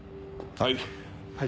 はい。